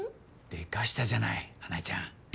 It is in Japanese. でかしたじゃない花恵ちゃん。